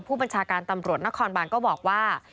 ผู้บัญชาการตำรวจนครบานก็บอกว่า